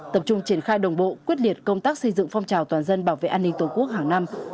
tập trung triển khai đồng bộ quyết liệt công tác xây dựng phong trào toàn dân bảo vệ an ninh tổ quốc hàng năm